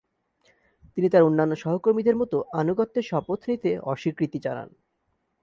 তিনি তার অন্যান্য সহকর্মীদের মতো আনুগত্যের শপথ নিতে অস্বীকৃতি জানান।